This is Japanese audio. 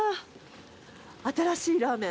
新しいラーメン。